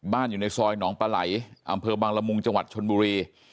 อยู่ในซอยหนองปลาไหลอำเภอบังละมุงจังหวัดชนบุรี